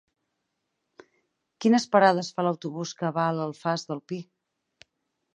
Quines parades fa l'autobús que va a l'Alfàs del Pi?